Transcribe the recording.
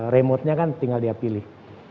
remote nya kan tinggal dia pilih